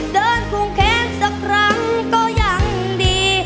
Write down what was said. เดินภูมิแข็งสักครั้งก็ยังดี